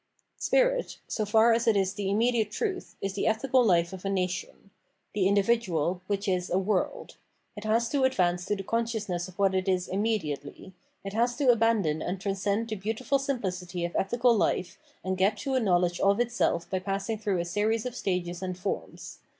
Spirit, so far as it is the immediate truth, is the ethical life of a nation :— ^the individual, which is a world. It has to advance to the consciousness of what it is immediately ; it has to abandon and transcend the beautiful simphcity of ethical life, and get to a VOL. II. — c 434 Phenomenology of Mind knowledge of itself by passing tkrougb a series of stages and forms.